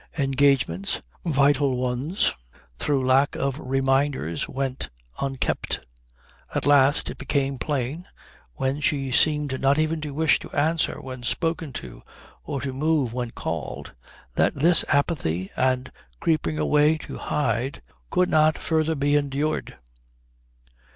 Engagements, vital ones, through lack of reminders went unkept. At last it became plain, when she seemed not even to wish to answer when spoken to or to move when called, that this apathy and creeping away to hide could not further be endured.